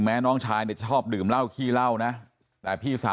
แม้น้องชายเนี้ยชอบดึ่มเล่าครี้เล่าน่ะแต่พี่สาว